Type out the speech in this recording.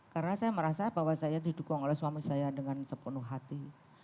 karena saya merasa bahwa saya didukung oleh suami saya dengan sepenuh hati